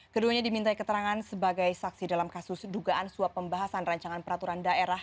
keduanya diminta keterangan sebagai saksi dalam kasus dugaan suap pembahasan rancangan peraturan daerah